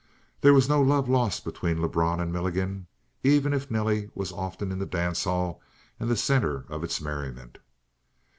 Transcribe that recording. There was no love lost between Lebrun and Milligan, even if Nelly was often in the dance hall and the center of its merriment.